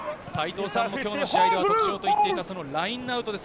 齊藤さんも今日の試合で特徴といっていたラインアウトです。